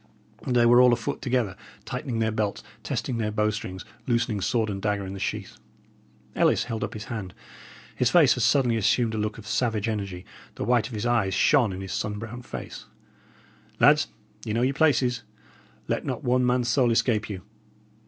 They were all afoot together, tightening their belts, testing their bow strings, loosening sword and dagger in the sheath. Ellis held up his hand; his face had suddenly assumed a look of savage energy; the white of his eyes shone in his sun brown face. "Lads," he said, "ye know your places. Let not one man's soul escape you.